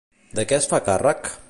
De què es fa càrrec?